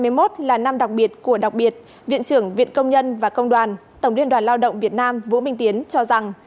năm hai nghìn hai mươi một là năm đặc biệt của đặc biệt viện trưởng viện công nhân và công đoàn tổng liên đoàn lao động việt nam vũ minh tiến cho rằng